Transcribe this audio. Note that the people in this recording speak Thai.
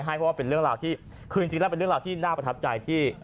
เพราะว่าเป็นเรื่องราวที่คือจริงแล้วเป็นเรื่องราวที่น่าประทับใจที่